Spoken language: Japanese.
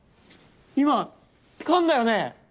今かんだよね？